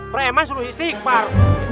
prema seluruh istighfar